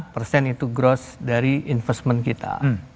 sebelas lima persen itu gross dari investment kita